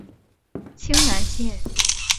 清南线